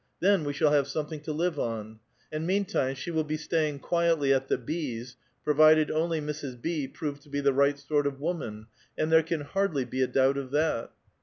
Then we shall have something to live on. And meantime, she will be staying quietly at the B.s', provided onl}' Mrs. B. prove to be the right sort of woman, and there can hardly be a doubt of that."